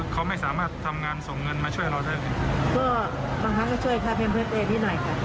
ก็ลำบากค่ะไม่มีเงินของให้